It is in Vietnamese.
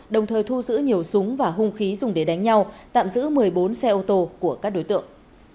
đồng thời thu giữ nhiều súng và hung khí dùng để đánh nhau tạm giữ một mươi bốn xe ô tô của các đối tượng